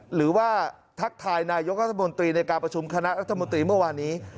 ทักทายนายกรัฐมนตรีในการประชุมคณะรัฐมนตรีเมื่อวานนี้